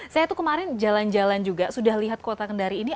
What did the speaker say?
saya tuh kemarin jalan jalan juga sudah lihat kota kendari ini